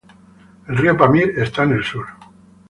El río Pamir está en el sur.